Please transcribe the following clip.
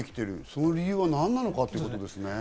その理由は何なのかってことですね。